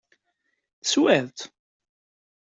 Teswa-tt?